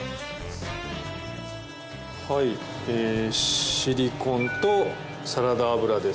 はいシリコーンとサラダ油です。